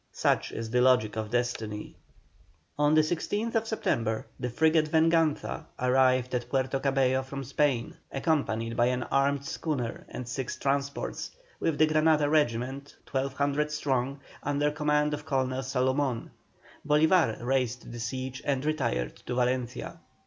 Such is the logic of Destiny! On the 16th September the frigate Venganza arrived at Puerto Cabello from Spain, accompanied by an armed schooner and six transports, with the Granada regiment, 1,200 strong, under command of Colonel Salomón. Bolívar raised the siege and retired to Valencia.